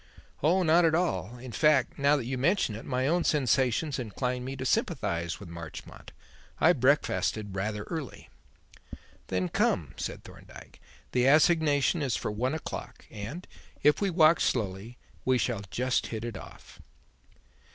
"Oh, not at all. In fact, now that you mention it, my own sensations incline me to sympathize with Marchmont. I breakfasted rather early." "Then come," said Thorndyke. "The assignation is for one o'clock, and, if we walk slowly, we shall just hit it off."